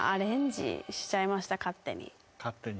勝手に？